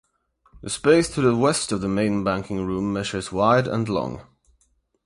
The space to the west of the main banking room measures wide and long.